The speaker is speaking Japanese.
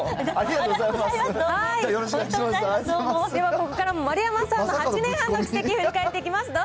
ここからも丸山さんの８年半の軌跡、振り返っていきます。